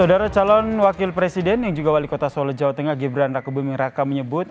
saudara calon wakil presiden yang juga wali kota solo jawa tengah gibran raka buming raka menyebut